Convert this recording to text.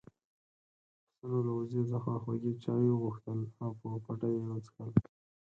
پسونو له وزې څخه خوږ چای وغوښتل او په پټه يې وڅښل.